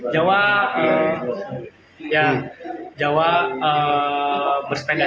jawa ya jawa bersepeda